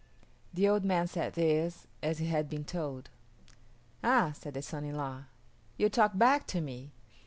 The old man said this as he had been told. "Ah," said the son in law, "you talk back to me.